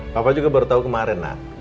papa juga baru tau kemarin lah